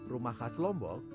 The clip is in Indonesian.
rumah khas lombok